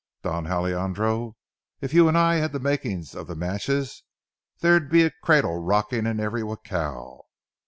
Don Alejandro, if you and I had the making of the matches, there'd be a cradle rocking in every jacal."